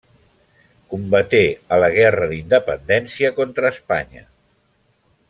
Combaté a la guerra d'independència contra Espanya.